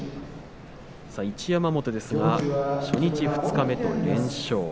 一山本ですが初日二日目と連勝。